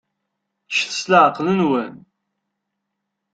Ččet s leɛqel-nwen.